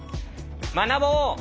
学ぼう！